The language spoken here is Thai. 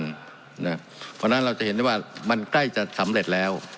เพราะฉะนั้นเราจะเห็นได้ว่ามันใกล้จะสำเร็จแล้ว